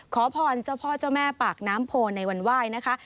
ขอพรเจ้าพ่อเจ้าแม่ปากน้ำโพในวันไหว้นะคะ